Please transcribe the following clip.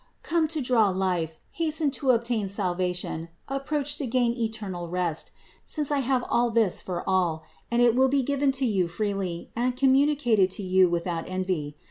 Come to draw life, hasten to obtain salvation, approach to gain eternal rest, since I have all this for all, and it will be given to you freely and communicated to you without envy.